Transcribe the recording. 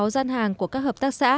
hai mươi sáu gian hàng của các hợp tác xã